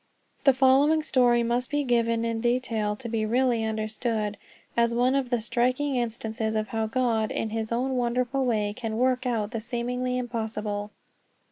The following story must be given in detail to be really understood, as one of the striking instances of how God, in his own wonderful way, can work out the seemingly impossible.